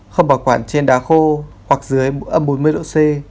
không bảo quản trên đá khô hoặc dưới âm bốn mươi độ c